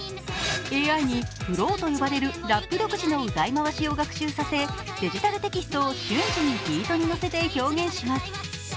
ＡＩにフロウと呼ばれるラップ独自の歌い回しを学習させデジタルテキストを瞬時にビートに乗せて表現します。